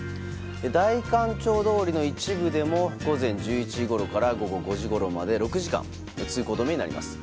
代官町通りの一部でも午前１１時ごろから午後５時ごろまで６時間通行止めになります。